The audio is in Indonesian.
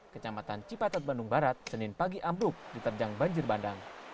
kecamatan cipatat bandung barat senin pagi ambruk diterjang banjir bandang